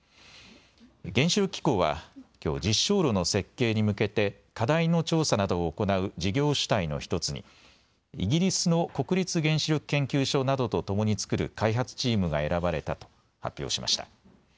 原子力機構は、きょう実証炉の設計に向けて課題の調査などを行う事業主体の１つにイギリスの国立原子力研究所などとともに作る開発チームが選ばれたと発表しました。